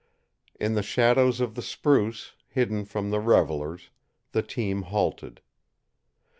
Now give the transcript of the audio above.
In the shadows of the spruce, hidden from the revelers, the team halted.